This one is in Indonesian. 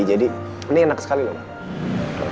jadi ini enak sekali loh pak